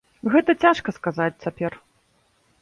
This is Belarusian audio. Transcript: Гэта цяжка сказаць цяпер.